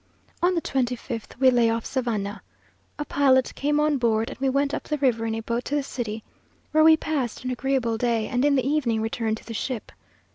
On the twenty fifth we lay off Savannah. A pilot came on board, and we went up the river in a boat to the city, where we passed an agreeable day, and in the evening returned to the ship.